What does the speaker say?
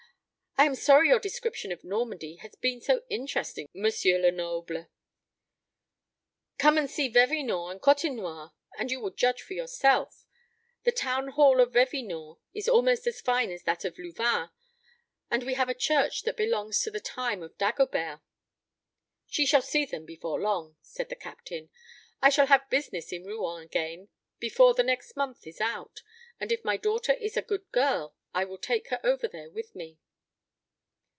I am sorry your description of Normandy has been so interesting, M. Lenoble." "Come and see Vevinord and Côtenoir, and you will judge for yourself. The town hall of Vevinord is almost as fine as that of Louvain; and we have a church that belongs to the time of Dagobert." "She shall see them before long," said the Captain; "I shall have business in Rouen again before the next month is out; and if my daughter is a good girl, I will take her over there with me."